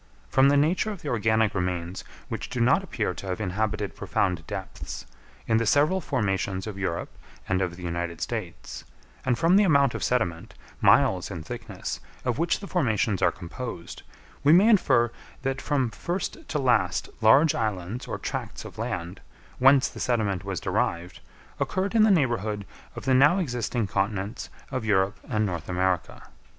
From the nature of the organic remains which do not appear to have inhabited profound depths, in the several formations of Europe and of the United States; and from the amount of sediment, miles in thickness, of which the formations are composed, we may infer that from first to last large islands or tracts of land, whence the sediment was derived, occurred in the neighbourhood of the now existing continents of Europe and North America.